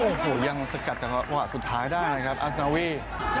โอ้โหยังสกัดจังหวะสุดท้ายได้นะครับอัสนาวี